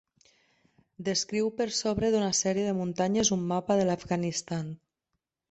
Descriu per sobre d'una sèrie de muntanyes un mapa de l'Afganistan.